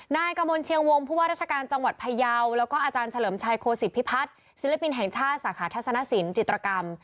นายกระมวลเชียงวงพุพรรภาชการจังหวัดพญาวและก็อาจารย์เฉลิมชัยโครสิทธิ์พิพัฒน์ศิลปินแห่งชาติสหาธสนสินจิตรกรรม